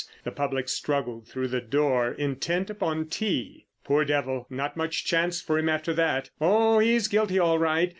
The public struggled through the door, intent upon tea. "Poor devil, not much chance for him after that!" "Oh, he's guilty all right!